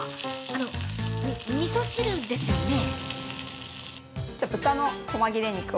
あの、みそ汁ですよね？